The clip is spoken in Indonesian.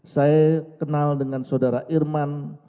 saya kenal dengan saudara irman